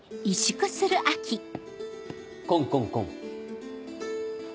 コンコンコン。